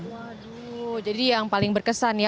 waduh jadi yang paling berkesan ya